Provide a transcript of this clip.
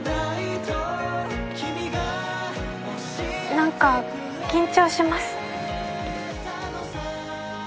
何か緊張します。